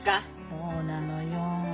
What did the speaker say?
そうなのよ。